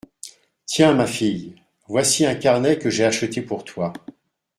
Tiens, ma fille, voici un carnet que j’ai acheté pour toi.